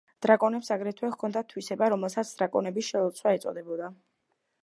დრაკონებს აგრეთვე ჰქონდათ თვისება, რომელსაც „დრაკონების შელოცვა“ ეწოდებოდა.